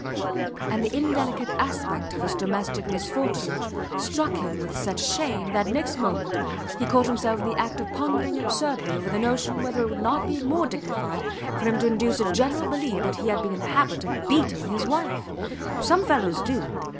... And the indelicate aspect of his domestic misfortune struck him with such shame that, next moment, he caught himself in the act of pondering absurdly over the notion whether it would not be more dignified for him to induce a general belief that he had been in the habit of beating his wife. Some fellows do